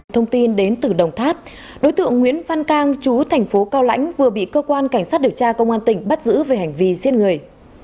thông tin đến từ đồng tháp đối tượng nguyễn văn cang chú thành phố cao lãnh vừa bị cơ quan cảnh sát điều tra công an tỉnh bắt giữ về hành vi giết người